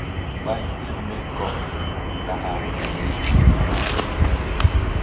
Ɓa hȩkme kɔk ɗaka lih puh Gama.